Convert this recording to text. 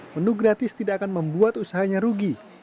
menu gratis tidak akan membuat usahanya rugi